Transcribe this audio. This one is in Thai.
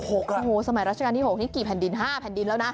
โอ้โหสมัยราชการที่๖นี้กี่แผ่นดิน๕แผ่นดินแล้วนะ